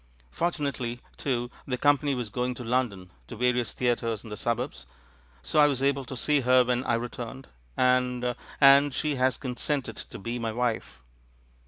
Fortunately, too, the company THE FAVOURITE PLOT 265 was going to London — to various theatres in the suburbs — so I was able to see her when I re turned; and — and she has consented to be my wife."